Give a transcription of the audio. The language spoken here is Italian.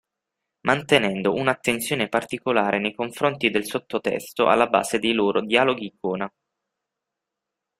Mantenendo un'attenzione particolare nei confronti del sottotesto alla base dei loro dialoghi-icona.